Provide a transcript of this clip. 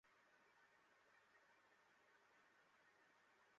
কোথায় চলে গেলো?